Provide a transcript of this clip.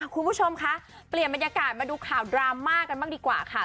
คุณผู้ชมคะเปลี่ยนบรรยากาศมาดูข่าวดราม่ากันบ้างดีกว่าค่ะ